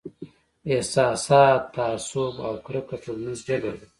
احساسات، تعصب او کرکه ټولنیز جبر دی.